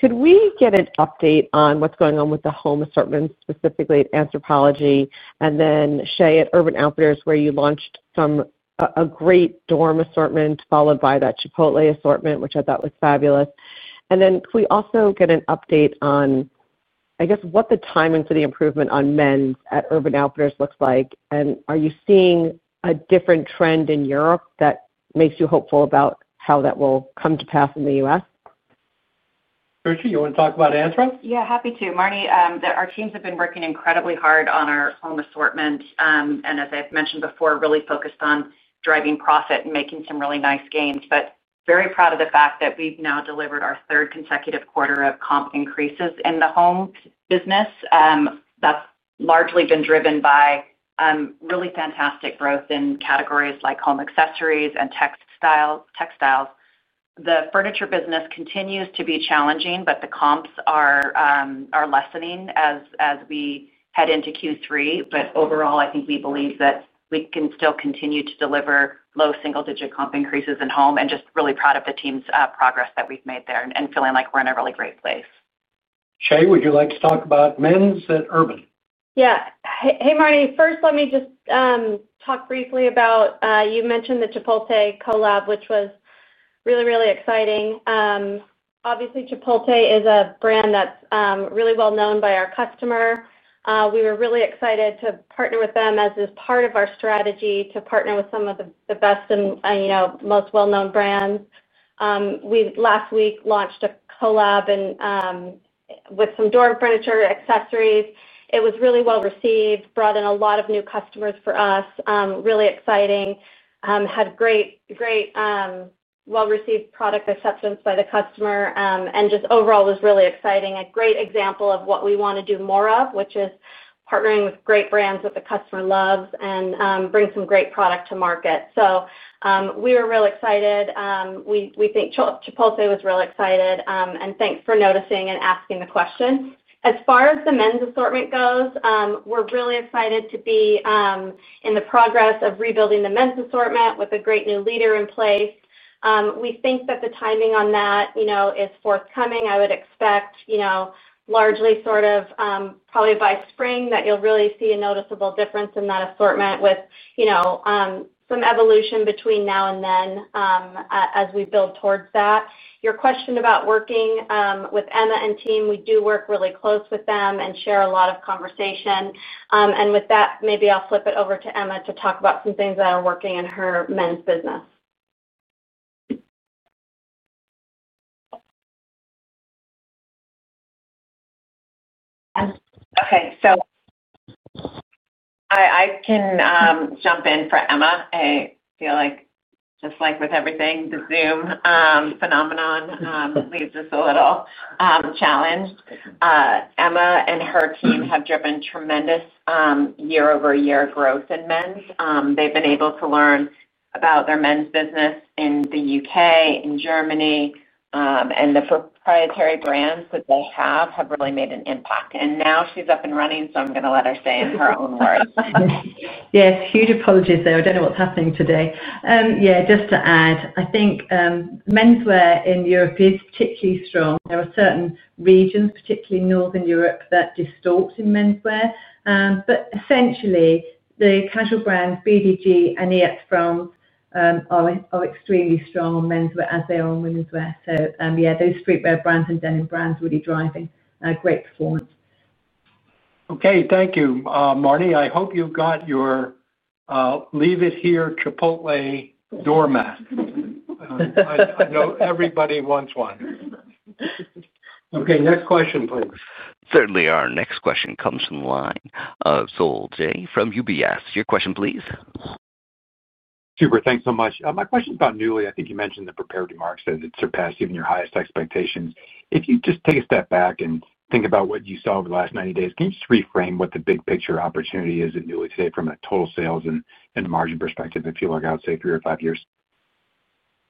Could we get an update on what's going on with the home assortment, specifically at Anthropologie, and then Shea at Urban Outfitters, where you launched a great dorm assortment followed by that Chipotle assortment, which I thought was fabulous? Could we also get an update on what the timing for the improvement on men at Urban Outfitters looks like? Are you seeing a different trend in Europe that makes you hopeful about how that will come to pass in the U.S? Tricia, you want to talk about Anthropologie? Yeah, happy to, Marni. Our teams have been working incredibly hard on our home assortment, and as I've mentioned before, really focused on driving profit and making some really nice gains. I'm very proud of the fact that we've now delivered our third consecutive quarter of comp increases in the home business. That's largely been driven by really fantastic growth in categories like home accessories and textiles. The furniture business continues to be challenging, but the comps are lessening as we head into Q3. Overall, I think we believe that we can still continue to deliver low single digit comp increases in home, and just really proud of the team's progress that we've made there and feeling like we're in a really great place. Shea, would you like to talk about men's at Urban? Yeah. Hey Marni, first let me just talk briefly about, you mentioned the Chipotle collab, which was really, really exciting. Obviously, Chipotle is a brand that's really well known by our customer. We were really excited to partner with them as it is part of our strategy to partner with some of the best and most well known brands. We last week launched a collab with some dorm furniture accessories. It was really well received, brought in a lot of new customers for us, really exciting, had great, great, well received product acceptance by the customer, and just overall was really exciting. It is a great example of what we want to do more of, which is partnering with great brands that the customer loves and bringing some great product to market. We were real excited. We think Chipotle was real excited, and thanks for noticing and asking the question. As far as the men's assortment goes, we're really excited to be in the progress of rebuilding the men's assortment with a great new leader in place. We think that the timing on that is forthcoming. I would expect, probably by spring, that you'll really see a noticeable difference in that assortment, with some evolution between now and then as we build towards that. Your question about working with Emma and team, we do work really close with them and share a lot of conversations. With that, maybe I'll flip it over to Emma to talk about some things that are working in her men's business. Okay. So I can jump in for Emma. I feel like just like with everything, the Zoom phenomenon, we get just a little challenged. Emma and her team have driven tremendous year over year growth in men's. They've been able to learn about their men's business in the U.K., in Germany, and the proprietary brands that they have have really made an impact. Now she's up and running. I'm going to let her say In her own words, Yes, huge apologies there. I think menswear in Europe is particularly strong. There are certain regions, particularly northern Europe, that distort in menswear, but essentially the casual brands, BDG and iets frans are extremely strong on menswear as they are on womenswear. Those streetwear brands and denim brands are really driving great performance. Okay, thank you. Marni. I hope you've got your leave it here Chipotle doormat. No, everybody wants one. Okay, next question please. Certainly, our next question comes from the line of Sole Jay from UBS. Your question, please. Thanks so much. My question about Nuuly, I think you mentioned in the prepared remarks that it surpassed even your highest expectations. If you just take a step back and think about what you saw over the last 90 days, can you just reframe what the big picture opportunity is at Nuuly today from a total sales and margin perspective if you look out, say, three or five years?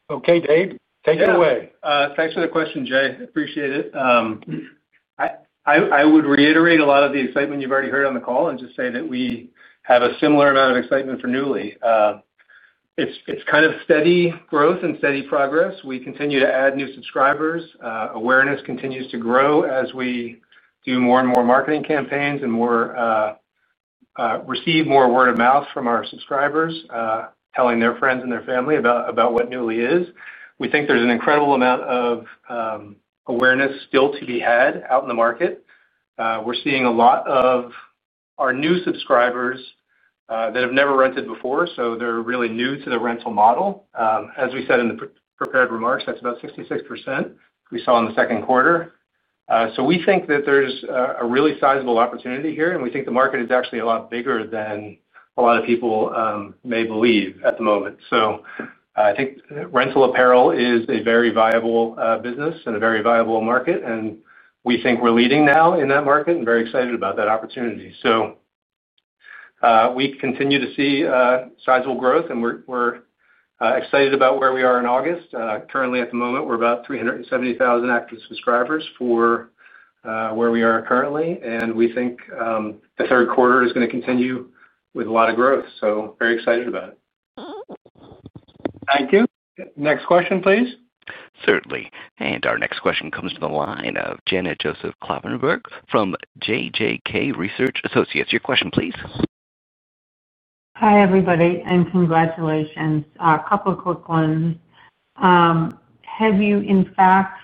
Okay, Dave, take it away. Thanks for the question, Jay. Appreciate it. I would reiterate a lot of the excitement you've already heard on the call and just say that we have a similar amount of excitement for Nuuly. It's kind of steady growth and steady progress. We continue to add new subscribers. Awareness continues to grow as we do more and more marketing campaigns and receive more word of mouth from our subscribers, telling their friends and their family about what Nuuly is. We think there's an incredible amount of awareness still to be had out in the market. We're seeing a lot of our new subscribers that have never rented before, so they're really new to the rental model. As we said in the prepared remarks, that's about 66% we saw in the second quarter. We think that there's a really sizable opportunity here and we think the market is actually.A lot bigger than a lot of people may believe at the moment. I think rental apparel is a very viable business and a very viable market. We think we're leading now in that market and are very excited about that opportunity. We continue to see sizable growth and we're excited about where we are in August currently. At the moment, we're at about 370,000 active subscribers for where we are currently, and we think the third quarter is going to continue with a lot of growth. So very excited about it. Thank you. Next question, please. Certainly. Our next question comes from the line of Janet Joseph Kloppenburg from JJK Research Associates. Your question please. Hi everybody, and congratulations. A couple of quick ones. Have you in fact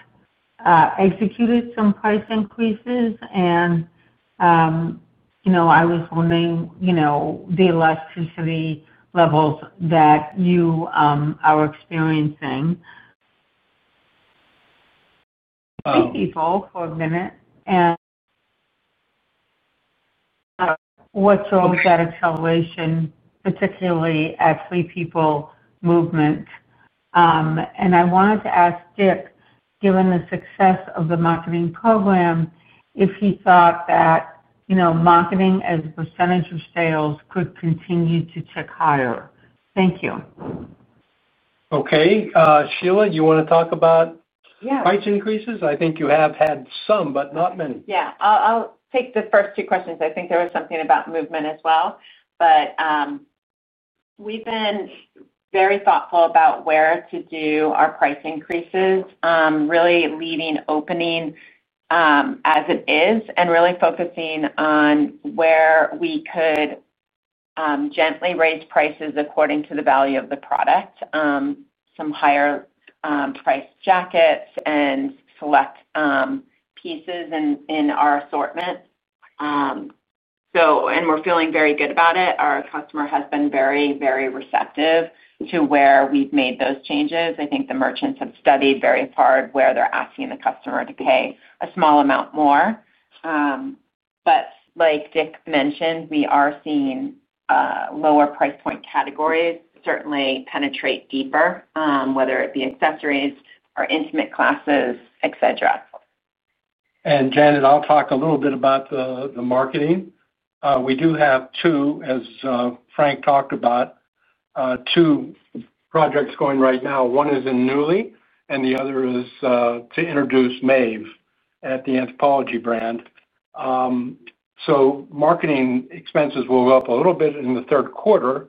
executed some price increases? I was wondering, you know, the elasticity levels that you are experiencing people for a minute. What drove that acceleration, particularly at FP Movement. I wanted to ask Dick, given the success of the marketing program, if he thought that, you know, marketing as a percentage of sales could continue to tick higher. Thank you. Okay, Sheila, you want to talk about price increases? I think you have had some, but not many. Yeah, I'll take the first two questions. I think there was something about FP Movement as well. We've been very thoughtful about where to do our price increases, really leaving opening as it is and really focusing on where we could gently raise prices according to the value of the product, some higher priced jackets and select pieces in our assortment. We're feeling very good about it. Our customer has been very, very receptive to where we've made those changes. I think the merchants have studied very hard where they're asking the customer to pay a small amount more. Like Richard mentioned, we are seeing lower price point categories certainly penetrate deeper, whether it be accessories or intimate classes, etc. Janet, I'll talk a little bit about the marketing. We do have two, as Frank talked about, two projects going right now. One is in Nuuly and the other is to introduce Maeve at the Anthropologie brand. Marketing expenses will go up a little bit in the third quarter.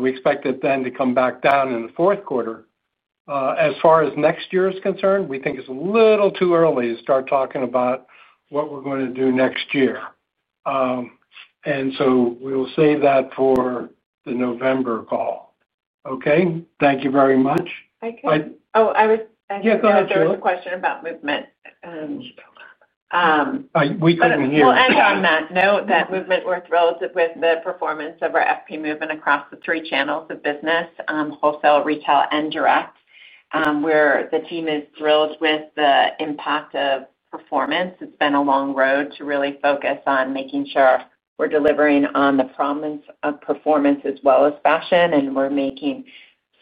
We expect it then to come back wown in the fourth quarter. As far as next year is concerned, we think it's a little too early to start talking about what we're going to do next year, so we'll save that for the November call. Okay, thank you very much. Oh, I was just a question about FP Movement.Actually, on that note, FP Movement. We're thrilled with the performance of our FP Movement across the three channels of business: wholesale, retail, and direct, where the team is thrilled with the impact of performance. It's been a long road to really focus on making sure we're delivering on the prominence of performance as well as fashion, and we're making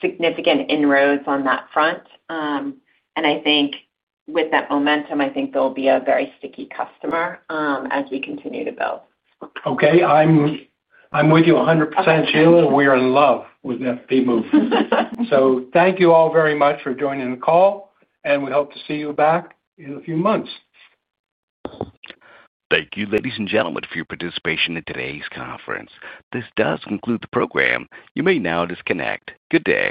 significant inroads on that front. I think with that momentum, I think there will be a very sticky customer as we continue to build. I'm with you 100%, Sheila. We are in love with FP Movement. Thank you all very much for joining the call, and we hope to see you back in a few months. Thank you, ladies and gentlemen, for your participation in today's conference. This does conclude the program. You may now disconnect. Good day.